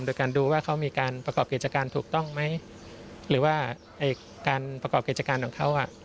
โดยการดูว่าเขามีการประกอบกิจการถูกต้องไหมหรือว่าการประกอบกิจการของเขา